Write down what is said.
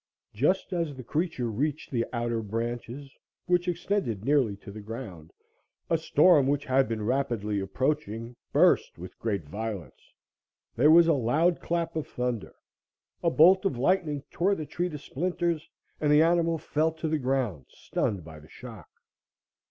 Just as the creature reached the outer branches, which extended nearly to the ground, a storm, which had been rapidly approaching, burst with great violence. There was a loud clap of thunder, a bolt of lightning tore the tree to splinters, and the animal fell to the ground, stunned by the shock.